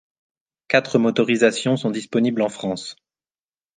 Quatre motorisations sont disponibles en France.